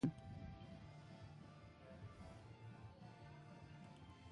Salbazioa lortzeko lehia erabakigarria dute jokoan.